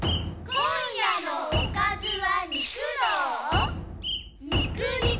今夜のおかずは。